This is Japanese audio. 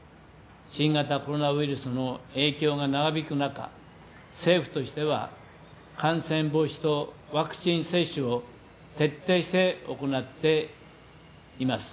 新型コロナウイルスの影響が長引く中、政府としては感染防止とワクチン接種を徹底して行っています。